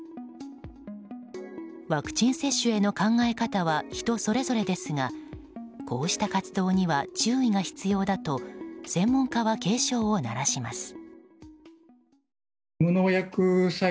ワクチン接種への考え方は人それぞれですがこうした活動には注意が必要だと専門家は警鐘を鳴らします。